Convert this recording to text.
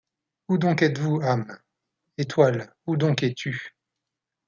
Où donc êtes-vous, âme? étoile, où donc es-tu ?